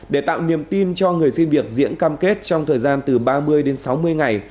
để tạo niềm tin cho người xin việc diễn cam kết trong thời gian từ ba mươi đến sáu mươi ngày